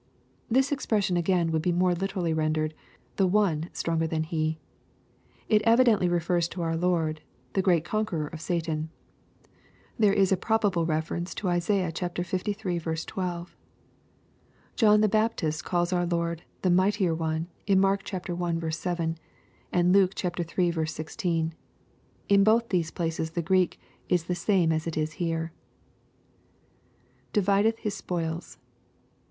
]. This expression . again would be more literally rendered, " the One stronger than he." It evidently re fers to our Lord, the great conqueror of Satan. There is a prob able reference to Isaiah liii. 12. John the Baptist calls our Lord " the mightier one," in Mark i. 7, and Luke iii. 16. In both these places the Greek is the same as it is here. [Divideth his spoils.